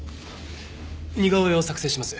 似顔絵を作成します。